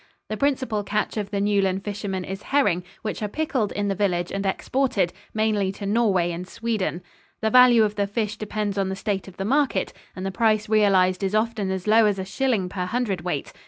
The principal catch of the Newlyn fishermen is herring, which are pickled in the village and exported, mainly to Norway and Sweden. The value of the fish depends on the state of the market, and the price realized is often as low as a shilling per hundred weight.